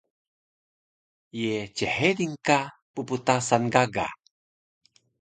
Ye chedil ka pptasan gaga?